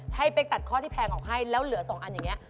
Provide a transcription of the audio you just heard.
เป๊กตัดข้อที่แพงออกให้แล้วเหลือ๒อันอย่างนี้